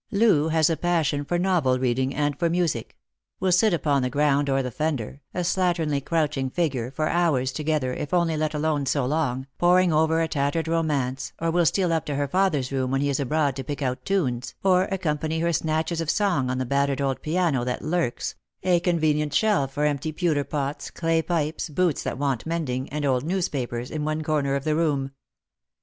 Loo has a passion for novel reading and for music — will sit upon the ground or the fender, a slatternly crouching figure, for hours together, if only let alone so long, poring over a tattered romance, or will steal up to her father's room when he is abroad to pick out tunes, or accompany her snatches of song on the battered old piano that lurks — a convenient shelf for empty pewter pots, clay pipes, boots that want mending, and old newspapers — in one corner of the room.